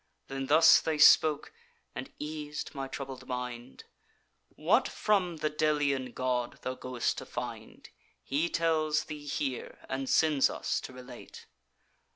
Then thus they spoke, and eas'd my troubled mind: 'What from the Delian god thou go'st to find, He tells thee here, and sends us to relate.